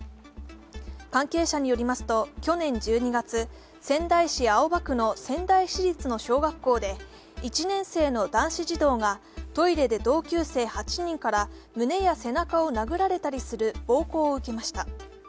関係者によりますと去年１２月、仙台市青葉区の仙台市立の小学校で１年生の男子児童がトイレで同級生８人から胸や背中を殴られたりする暴行を受けました。